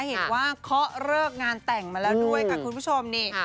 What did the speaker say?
เห็นว่าเขาเลิกงานแต่งมาแล้วด้วยกับคุณผู้ชมนี่